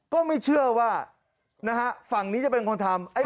ก็ไม่เชื่อว่านะฮะฝั่งนี้จะเป็นคนทำ